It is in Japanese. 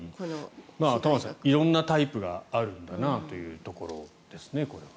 玉川さん、色んなタイプがあるんだなというところですね。